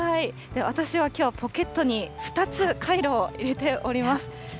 私はきょう、ポケットに２つカイロを入れております。